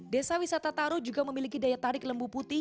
desa wisata taro juga memiliki daya tarik lembu putih